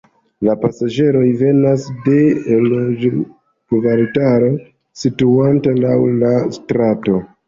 La pasaĝeroj venas de loĝkvartalo situanta laŭ la strato.